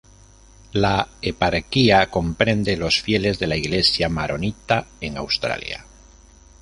La eparquía comprende los fieles de la Iglesia maronita en Australia.